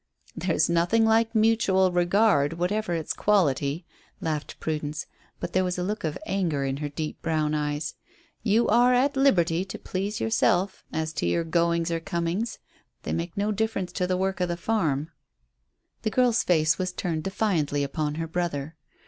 "There's nothing like mutual regard, whatever its quality," laughed Prudence; but there was a look of anger in her deep brown eyes. "You are at liberty to please yourself as to your goings or comings they make no difference to the work of the farm." The girl's face was turned defiantly upon her brother.